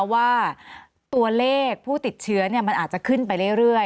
ว่าตัวเลขผู้ติดเชื้อมันอาจจะขึ้นไปเรื่อย